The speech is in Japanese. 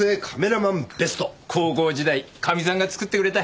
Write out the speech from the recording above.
高校時代かみさんが作ってくれた。